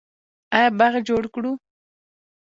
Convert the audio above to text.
آیا باغ جوړ کړو؟